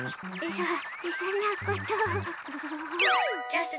そそんなこと。